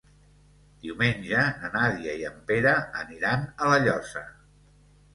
Diumenge na Nàdia i en Pere aniran a La Llosa.